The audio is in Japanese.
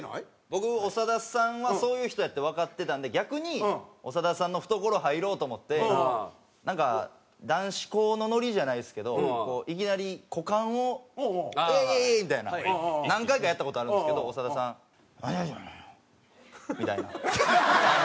僕長田さんはそういう人やってわかってたんで逆に長田さんの懐入ろうと思ってなんか男子校のノリじゃないですけどいきなり股間をウエーイ！みたいな何回かやった事あるんですけど長田さん「何をしよるん」みたいな。